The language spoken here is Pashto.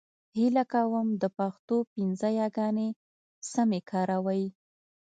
هيله کوم د پښتو پنځه يېګانې سمې کاروئ !